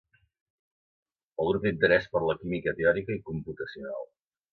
El grup té interès per la química teòrica i computacional.